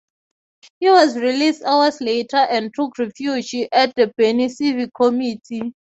He was released hours later and took refuge at the Beni Civic Committee.